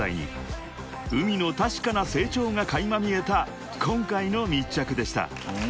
［ＵＭＩの確かな成長が垣間見えた今回の密着でした］